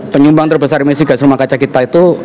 penyumbang terbesar emisi gas rumah kaca kita itu